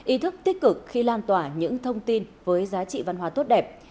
ý thức tích cực khi lan tỏa những thông tin với giá trị văn hóa tốt đẹp